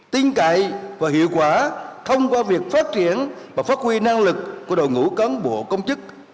tiến cậy và hiệu quả thông qua việc phát triển và phát huy năng lực của đồng ngũ cấn bộ công chức